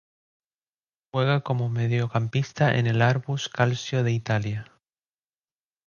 Juega como mediocampista en el Arbus Calcio de Italia.